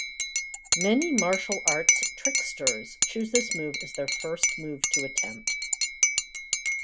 Many martial arts tricksters choose this move as their first move to attempt.